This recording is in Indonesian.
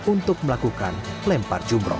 untuk melakukan lempar jumroh